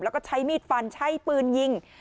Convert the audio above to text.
แล้วก็ใช้มีดฟันใช้ปืนยิง